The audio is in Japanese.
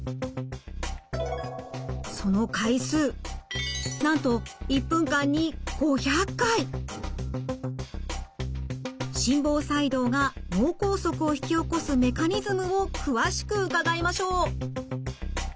その回数なんと心房細動が脳梗塞を引き起こすメカニズムを詳しく伺いましょう。